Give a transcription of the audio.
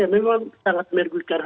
yang memang sangat mergulkan